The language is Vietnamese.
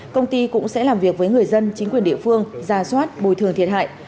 công ty cũng sẽ làm việc với người dân chính quyền địa phương ra soát bồi thường thiệt hại